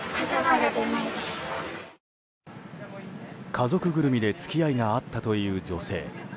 家族ぐるみで付き合いがあったという女性。